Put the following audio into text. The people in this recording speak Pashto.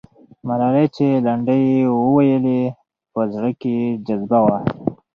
ملالۍ چې لنډۍ یې وویلې، په زړه کې یې جذبه وه.